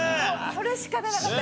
それしか出なかった。